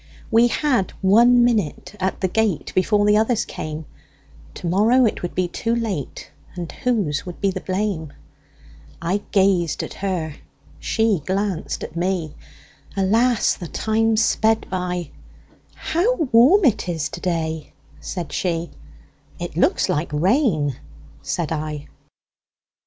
We had one minute at the gate, Before the others came; To morrow it would be too late, And whose would be the blame!I gazed at her, she glanced at me; Alas! the time sped by:"How warm it is to day!" said she;"It looks like rain," said I.